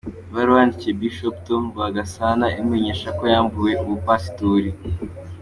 Ibaruwa yandikiwe Bishop Tom Rwagasana imumenyesha ko yambuwe ubupasitori.